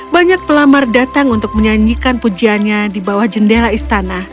banyak pelamar datang untuk menyanyikan pujiannya di bawah jendela istana